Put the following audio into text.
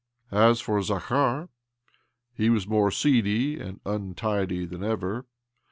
As for Zakhar, he was more seedy and untidy than ever.